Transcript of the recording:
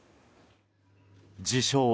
自称